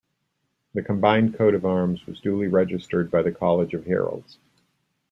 The combined coat of arms was duly registered by the College of Heralds.